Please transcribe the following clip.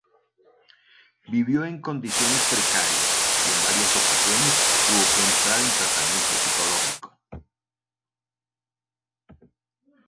Vivió en condiciones precarias y en varias ocasiones tuvo que entrar en tratamiento psicológico.